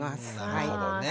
なるほどね。